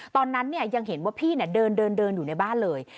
ตอนนั้นเนี่ยยังเห็นว่าพี่เนี่ยเดินอยู่ในบ้านเลย